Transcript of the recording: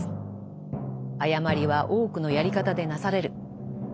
誤りは多くのやり方でなされる。